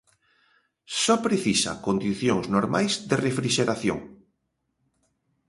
Só precisa condicións normais de refrixeración.